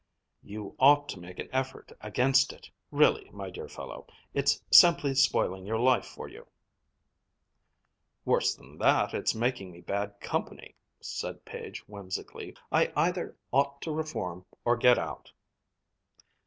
"You ought to make an effort against it, really, my dear fellow. It's simply spoiling your life for you!" "Worse than that, it's making me bad company!" said Page whimsically. "I either ought to reform or get out."